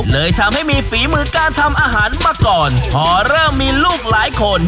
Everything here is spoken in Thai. เลยทำให้มีฝีมือการทำอาหารมาก่อนพอเริ่มมีลูกหลายคน